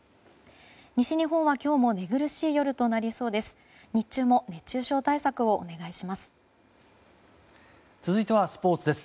西日本は今日も寝苦しい夜となりそうです。